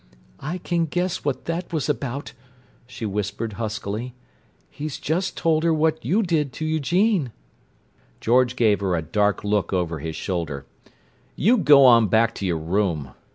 "I can guess what that was about," she whispered huskily. "He's just told her what you did to Eugene!" George gave her a dark look over his shoulder. "You go on back to your room!"